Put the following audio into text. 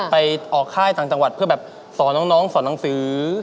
ไปออกค่ายต่างจังหวัดเพื่อแบบสอนน้องสอนหนังสือ